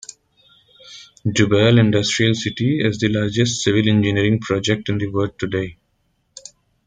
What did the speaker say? Jubail Industrial City is the largest civil engineering project in the world today.